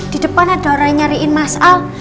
di depan ada orang yang nyariin masal